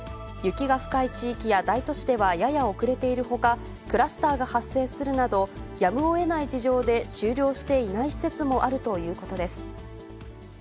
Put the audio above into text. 雪が深い地域や大都市ではやや遅れているほか、クラスターが発生するなど、やむをえない事情で終了していない施設もあるということです。